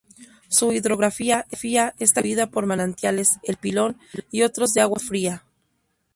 Su hidrografía está constituida por manantiales El Pilón y otros de agua fría.